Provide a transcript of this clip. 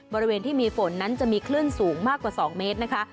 บริเวณที่มีฝนนั้นจะมีคลื่นสูงมากกว่า๒เมตรนะคะ